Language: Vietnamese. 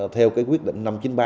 theo quyết định năm trăm chín mươi ba